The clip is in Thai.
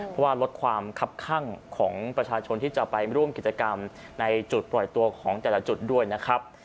เพราะว่าลดความคับข้างของประชาชนที่จะไปร่วมกิจกรรมในจุดปล่อยตัวของแต่ละจุดด้วยนะครับ